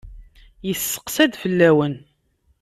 Yesseqsa-d fell-awen.